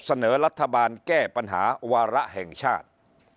เสนอรัฐบาลแก้ปัญหาวาระแห่งชาติ